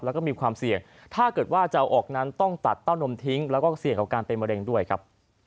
แล้วก็มีความเสี่ยงถ้าเกิดว่าจะเอาออกนั้นต้องตัดเต้านมทิ้งแล้วก็เสี่ยงกับการเป็นมะเร็งด้วยครับ